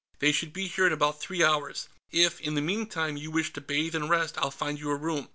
They should be here in about three hours. If, in the meantime, you wish to bathe and rest, I'll find you a room.